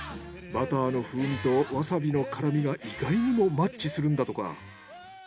バターの風味とわさびの辛味が意外にもマッチするんだとか。